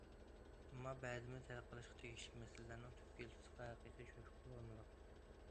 ئەمما، بەزىمىز ھەل قىلىشقا تېگىشلىك مەسىلىلەرنىڭ تۈپ يىلتىزىغا ھەقىقىي چۆكۈپ بولالمىدۇق.